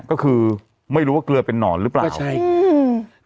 ก็คือไม่รู้ว่าเกลือเป็นนอนหรือเปล่าใช่อืม